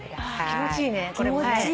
気持ちいい。